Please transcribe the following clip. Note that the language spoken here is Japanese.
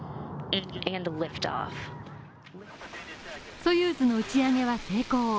ソユーズの打ち上げは成功。